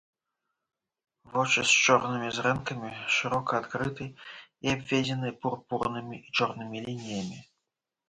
Вочы з чорнымі зрэнкамі шырока адкрыты і абведзены пурпурнымі і чорнымі лініямі.